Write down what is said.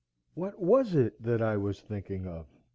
What was it that I was thinking of?